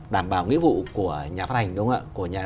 đảm bảo nghĩa vụ của nhà phát hành